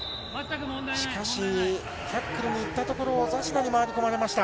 しかし、タックルにいったところを回り込まれました。